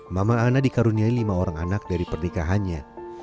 mama ana dikaruniai lima orang anak dari pernikahannya